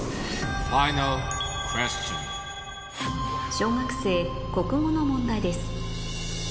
小学生国語の問題です